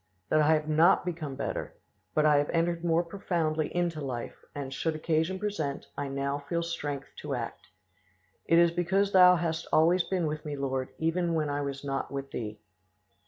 that I have not become better; but I have entered more profoundly into life, and, should occasion present, I now feel strength to act. "It is because Thou hast always been with me, Lord, even when I was not with Thee."